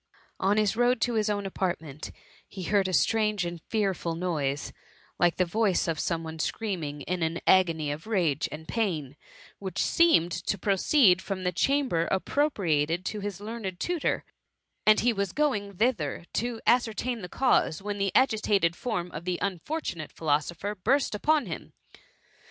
On his road to his own apartment, he heard a strange and fearful noise, like the voice of some one screaming in an agony of rage and pain, which seemed to proceed from the chamber appropriated to his learned tutor ; and he was going thither to ascertain the cause, when the agitated fdrm of the unfortunate phi losopher burst upon him.